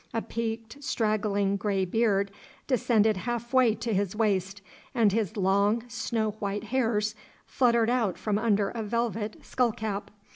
A peaked, straggling grey beard descended half way to his waist, and his long snow white hairs fluttered out from under a velvet skull cap.